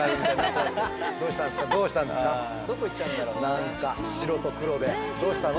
何か白と黒でどうしたの？